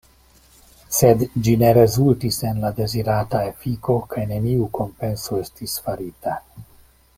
Sed ĝi ne rezultis en la dezirata efiko kaj neniu kompenso estis farita.